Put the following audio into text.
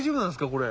これ。